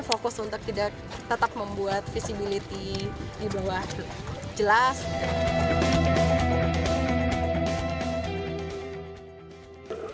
fokus untuk tidak tetap membuat visibility di bawah jelas